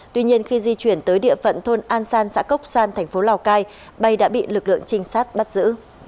tuy nhiên khi di chuyển tới địa phận thôn an san xã cốc san thành phố lào cai phàng a phay đã bị lực lượng trinh sát bắt giữ